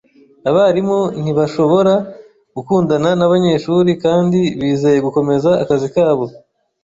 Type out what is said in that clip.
Abarimu ntibashobora gukundana nabanyeshuri kandi bizeye gukomeza akazi kabo.